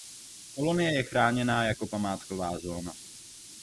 Kolonie je chráněná jako památková zóna.